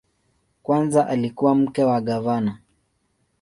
Kwanza alikuwa mke wa gavana.